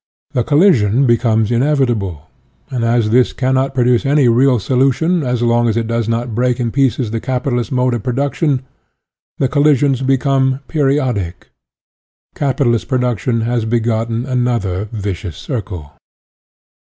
The collision becomes inevitable, and as this cannot produce any real solution so long as it does not break in pieces the capitalist mode of production, the collisions become periodic. Capitalist production has begotten another " vicious circle."